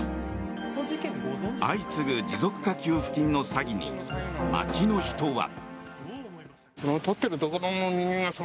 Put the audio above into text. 相次ぐ持続化給付金の詐欺に街の人は。